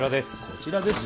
「こちらです」